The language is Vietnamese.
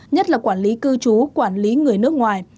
nhất là quản lý cư trú quản lý người nước ngoài